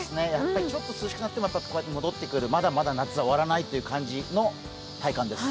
ちょっと涼しくなってもこうやって戻ってくるまだまだ夏は終わらないという感じの体感です。